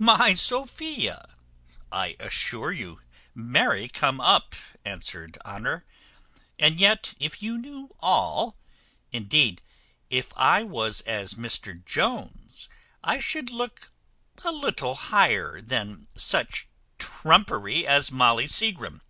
"My Sophia! I assure you, marry come up," answered Honour. "And yet if you knew all indeed, if I was as Mr Jones, I should look a little higher than such trumpery as Molly Seagrim."